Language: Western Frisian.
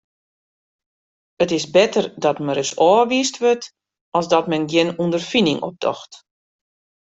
It is better dat men ris ôfwiisd wurdt as dat men gjin ûnderfining opdocht.